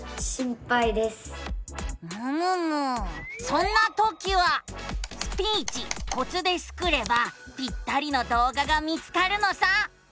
そんなときは「スピーチコツ」でスクればぴったりの動画が見つかるのさ。